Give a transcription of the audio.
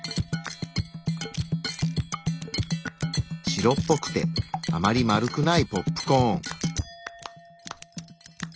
白っぽくてあまり丸くないポップコーン。